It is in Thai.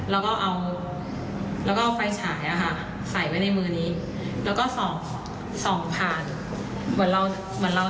แล้วเขาก็เลยดึงมือออกไปทีนี้เราก็เลยคิดว่าพฤติการ